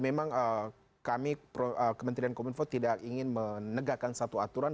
memang kami kementerian kominfo tidak ingin menegakkan satu aturan